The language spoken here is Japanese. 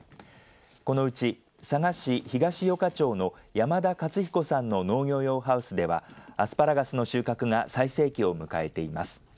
このうち佐賀市東与賀町の山田勝彦さんの農業用ハウスではアスパラガスの収穫が最盛期を迎えています。